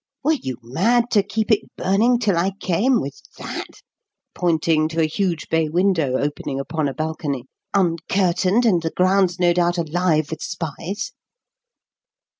"Were you mad to keep it burning till I came, with that" pointing to a huge bay window opening upon a balcony "uncurtained and the grounds, no doubt, alive with spies?"